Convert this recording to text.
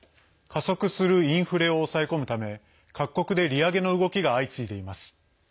加速するインフレを抑え込むため各国で利上げの動きが相次いでいます。